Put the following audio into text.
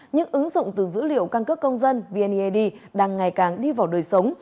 những ứng dụng từ dữ liệu căn cước công dân vned đang ngày càng đi vào đời sống